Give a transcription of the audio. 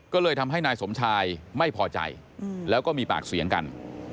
ก็เลยทำให้นายสมชายไม่พอใจแล้วก็มีปากเสียงกัน